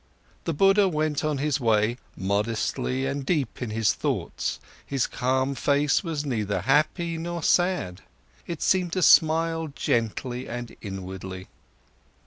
The Buddha went on his way, modestly and deep in his thoughts, his calm face was neither happy nor sad, it seemed to smile quietly and inwardly.